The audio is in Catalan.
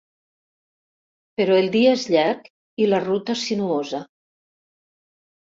Però el dia és llarg i la ruta sinuosa.